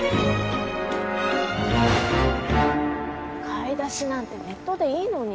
買い出しなんてネットでいいのに。